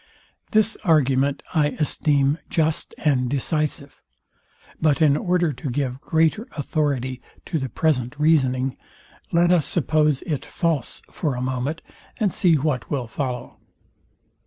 This argument I esteem just and decisive; but in order to give greater authority to the present reasoning, let us suppose it false for a moment, and see what will follow.